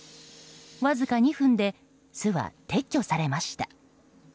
わずか２分で巣は撤去されました。